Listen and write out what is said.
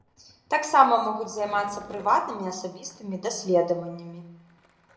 Таксама могуць займацца прыватнымі, асабістымі даследаваннямі.